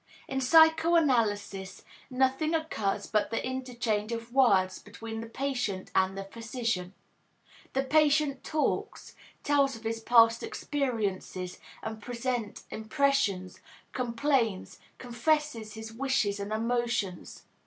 In psychoanalysis nothing occurs but the interchange of words between the patient and the physician. The patient talks, tells of his past experiences and present impressions, complains, confesses his wishes and emotions.